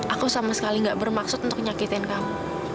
aku sama sekali gak bermaksud untuk nyakitin kamu